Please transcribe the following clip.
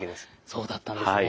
そうだったんですね。